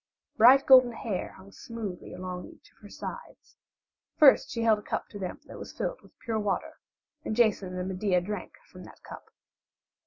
Bright golden hair hung smoothly along each of her sides. First she held a cup to them that was filled with pure water, and Jason and Medea drank from that cup.